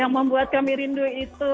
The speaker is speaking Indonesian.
sehingga mbak jadi rindu dengan ini